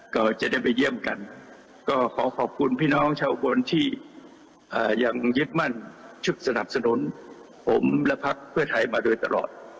ก็จะได้ไปเยี่ยมกันก็ขอขอบคุณพี่น้องชาวอุบลที่ยังยึดมั่นชุดสนับสนุนผมและพักเพื่อไทยมาโดยตลอด